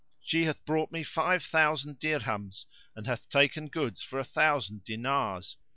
She hath brought me five thousand dirhams, and hath taken goods for a thousand dinars."